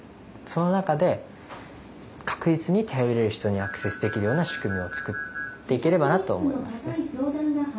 その中で確実に頼れる人にアクセスできるような仕組みをつくっていければなと思いますね。